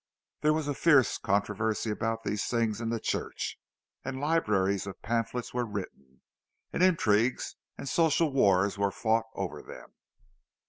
There was a fierce controversy about these things in the church, and libraries of pamphlets were written, and intrigues and social wars were fought over them.